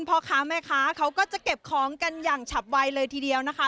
พ่อค้าแม่ค้าเขาก็จะเก็บของกันอย่างฉับไวเลยทีเดียวนะคะ